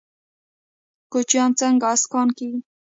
کوچیان څنګه اسکان کیږي؟